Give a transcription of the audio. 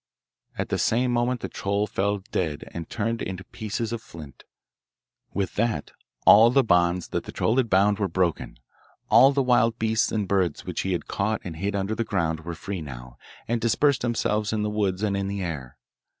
At the same moment the troll fell dead and turned into pieces of flint. With that a,ll the bonds that the troll had bound were broken; all the wild beasts and birds which he had caught and hid under the ground were free now, and dispersed themselves in the woods and in the air.